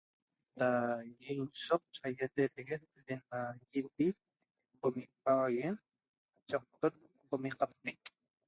Da insoc aiateteguet ena iepi da qomi' paxaguen chegoqtot qomi'